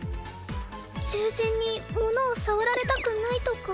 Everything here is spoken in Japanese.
獣人に物を触られたくないとか？